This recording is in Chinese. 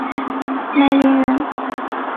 嘎达梅林人。